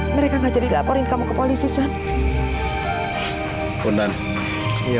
mereka gak jadi laporin kamu ke polisinya